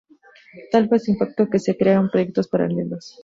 Tal fue su impacto que se crearon proyectos paralelos.